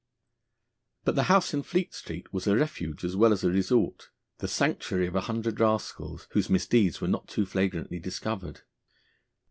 But the house in Fleet Street was a refuge as well as a resort, the sanctuary of a hundred rascals, whose misdeeds were not too flagrantly discovered.